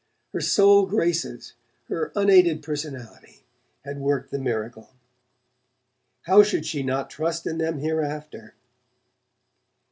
Her sole graces, her unaided personality, had worked the miracle; how should she not trust in them hereafter?